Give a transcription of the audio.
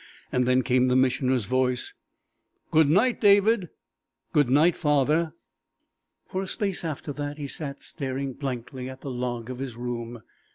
Then came the Missioner's voice. "Good night, David." "Good night, Father." For a space after that he sat staring blankly at the log of his room.